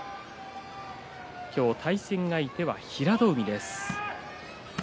対戦相手は平戸海です。